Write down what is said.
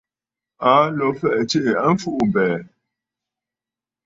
Aa lǒ fɛ̀ʼ̀ɛ̀ tsiʼi a mfuʼubɛ̀ɛ̀.